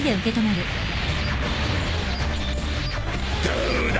どうだ！？